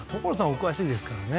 お詳しいですからね